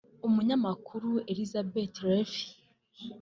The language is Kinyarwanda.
umunyamakuru Élisabeth Lévy